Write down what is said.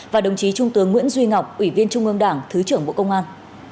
và đồng chí trung tướng nguyễn duy ngọc ủy viên trung ương đảng thứ trưởng bộ công an